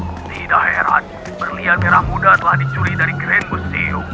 tidak heran berlian merah muda telah dicuri dari grand museum